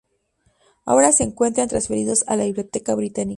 Ahora se encuentran transferidos a la Biblioteca británica.